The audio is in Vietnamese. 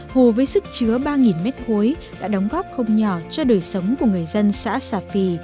hồ với sức chứa ba mét khối đã đóng góp không nhỏ cho đời sống của người dân xã xà phì